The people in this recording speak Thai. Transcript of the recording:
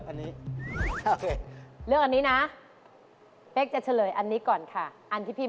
เป๊กมีเกมรสมาให้พี่เล่นพี่